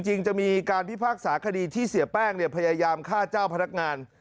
จริงจะมีการพิพากษาคดีที่เสียแป้งพยายามฆ่าเจ้าพนักงาน